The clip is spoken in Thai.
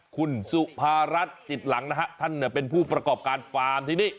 คุณสุภารัฐจิตหลังนะฮะท่านเป็นผู้ประกอบการฟาร์มที่นี่